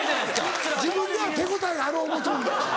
自分では手応えがある思うとんねん。